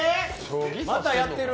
またやってる？